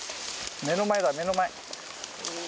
目の前だ、目の前。